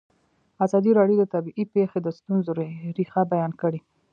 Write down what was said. ازادي راډیو د طبیعي پېښې د ستونزو رېښه بیان کړې.